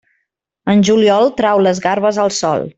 En juliol, trau les garbes al sol.